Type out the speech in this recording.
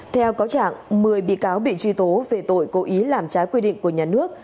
theo cáo trạng một mươi bị cáo bị truy tố về tội cố ý làm trái quy định của nhà nước